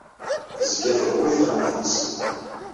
Tezga terwi texxamt-nnes.